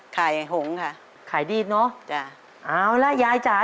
ขายไข่หงค่ะใช่ขายดีเนอะเอาละยายจ๋า